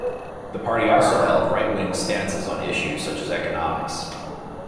The party also held right-wing stances on issues such as economics.